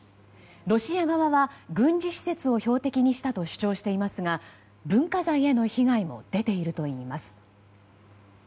ロシア側は軍事施設を標的にしたと主張していますが文化財への被害も出ているといいます。